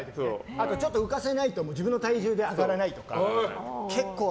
あとちょっと浮かせないと自分の体重で上がらないとか